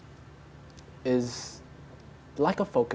adalah keinginan guru